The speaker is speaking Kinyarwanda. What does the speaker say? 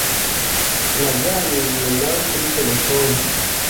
Naganiriye nawe kuri terefone.